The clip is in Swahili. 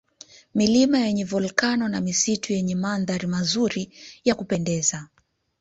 Milima yenye Volkano na misitu yenye mandhari mazuri ya kupendeza